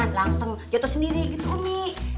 langsung jatuh sendiri gitu umi